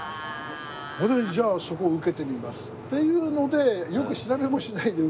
俺じゃあそこ受けてみますっていうので。